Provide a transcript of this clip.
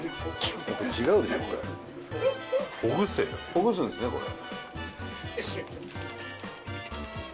ほぐすんですねこれ。